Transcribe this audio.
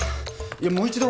いやもう一度。